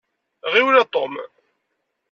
Ɣiwel a Tom.